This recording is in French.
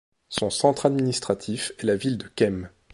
Son centre administratif est la ville de Kem.